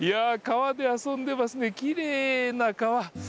川で遊んでますね、きれいな川。